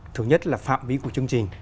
thứ nhất là phạm mỹ của chương trình